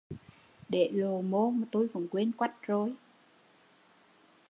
Để lộ mô mà tui cũng quên quách rồi